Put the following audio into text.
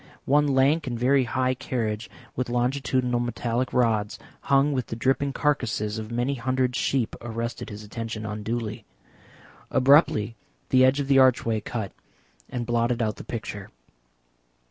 One lank and very high carriage with longitudinal metallic rods hung with the dripping carcasses of many hundred sheep arrested his attention unduly. Abruptly the edge of the archway cut and blotted out the picture.